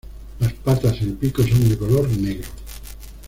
Las patas y el pico son de color negro.